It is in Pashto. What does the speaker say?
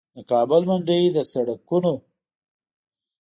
د کابل منډوي د سړکونو